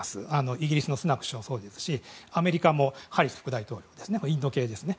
イギリスのスナク首相もそうですしアメリカもハリス副大統領インド系ですね。